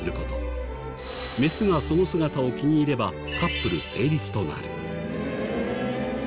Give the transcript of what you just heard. メスがその姿を気に入ればカップル成立となる。